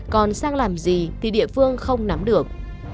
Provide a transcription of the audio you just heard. còn sang làm gì thì địa phương không nắm được